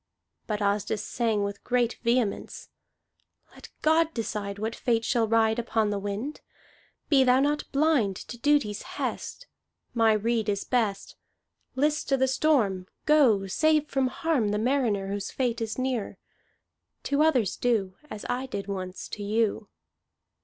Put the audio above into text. But Asdis sang with great vehemence: "Let God decide What fate shall ride Upon the wind. Be thou not blind To duty's hest. My rede is best. List to the storm! Go! Save from harm The mariner Whose fate is near. To others do As I did once to you."